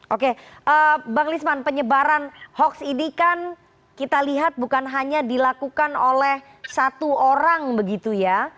oke bang lisman penyebaran hoax ini kan kita lihat bukan hanya dilakukan oleh satu orang begitu ya